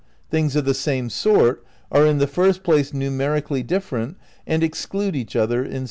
... "Things of the same sort are in the first place numerically dif ferent and exclude each other in space time."